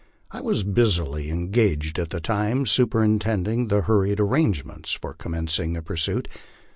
I was busily en gaged at the time superintending the hurried arrangements for commencing the pursuit.